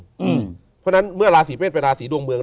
เพราะฉะนั้นเมื่อราศีเมษเป็นราศีดวงเมือง